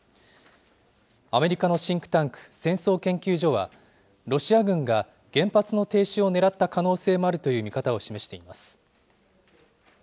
アメリカのシンクタンク、戦争研究所は、ロシア軍が原発の停止を狙った可能性もあるという見方を示しています。